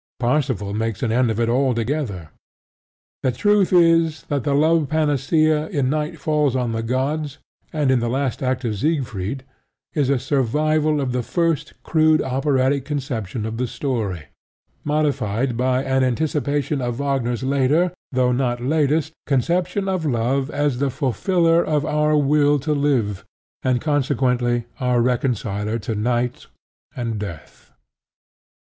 Parsifal makes an end of it altogether. The truth is that the love panacea in Night Falls On The Gods and in the last act of Siegfried is a survival of the first crude operatic conception of the story, modified by an anticipation of Wagner's later, though not latest, conception of love as the fulfiller of our Will to Live and consequently our reconciler to night and death.